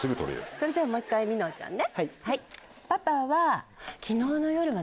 それではもう１回みのんちゃんね。